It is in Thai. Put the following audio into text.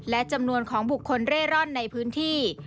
และจำนวนของบุคคลเร่ร่อนในพื้นที่